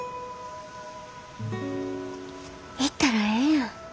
行ったらええやん。